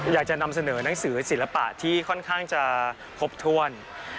อยากจะนำเสนอหนังสือศิลปะที่ค่อนข้างจะครบถ้วน